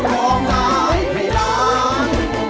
มองตายพี่รัน